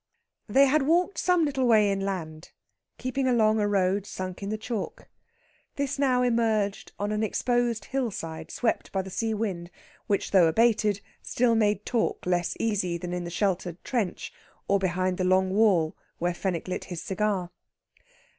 They had walked some little way inland, keeping along a road sunk in the chalk. This now emerged on an exposed hill side, swept by the sea wind; which, though abated, still made talk less easy than in the sheltered trench, or behind the long wall where Fenwick lit his cigar.